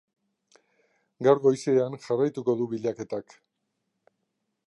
Gaur goizean jarraituko du bilaketak.